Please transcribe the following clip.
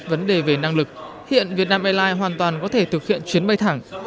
nhưng cần đặt vấn đề về năng lực hiện việt nam airlines hoàn toàn có thể thực hiện chuyến bay thẳng